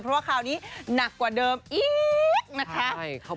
เพราะว่าคราวนี้หนักกว่าเดิมอีกนะคะ